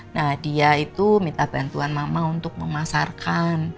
nah dia itu minta bantuan mama untuk memasarkan